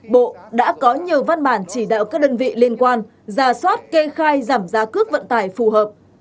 bộ đã có nhiều văn bản chỉ đạo các đơn vị liên quan ra soát kê khai giảm giá cước vận tải phù hợp